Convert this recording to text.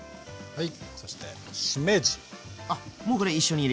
はい。